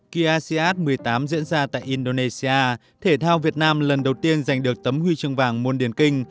kỳ asean một mươi tám diễn ra tại indonesia thể thao việt nam lần đầu tiên giành được tấm huy chương vàng môn điển kinh